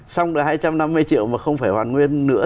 xong là hai trăm năm mươi triệu mà không phải hoàn nguyên nữa